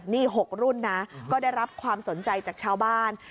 นี่๖รุ่นนะก็ได้รับความสนใจจากชาวบ้าน